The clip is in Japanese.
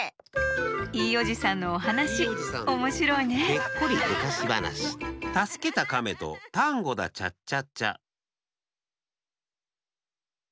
いいおじさんのおはなしおもしろいねたすけたかめとタンゴだチャッチャッチャッ。